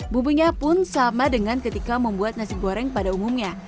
bumbunya pun sama dengan ketika membuat nasi goreng pada umumnya